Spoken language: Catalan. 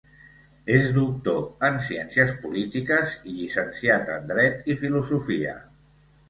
És doctor en Ciències Polítiques, i llicenciat en Dret i Filosofia.